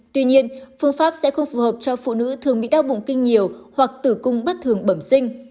tuy nhiên phương pháp sẽ không phù hợp cho phụ nữ thường bị đau bụng kinh nhiều hoặc tử cung bất thường bẩm sinh